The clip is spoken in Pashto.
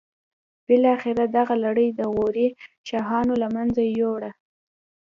بالاخره دغه لړۍ د غوري شاهانو له منځه یوړه.